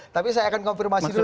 tapi saya akan konfirmasi dulu